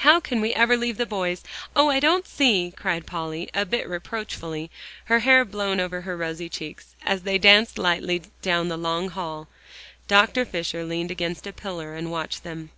"How can we ever leave the boys! Oh! I don't see," cried Polly, a bit reproachfully, her hair blown over her rosy cheeks. As they danced lightly down the long hall, Dr. Fisher leaned against a pillar, and watched them.